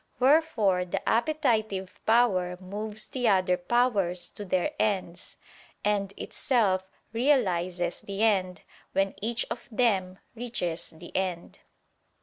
Wherefore the appetitive power moves the other powers to their ends; and itself realizes the end, when each of them reaches the end.